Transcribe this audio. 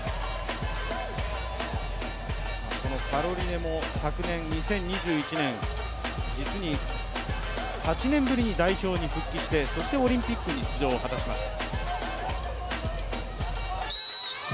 このカロリネも昨年、２０２１年実に８年ぶりに代表に復帰してそしてオリンピックに出場を果たしました。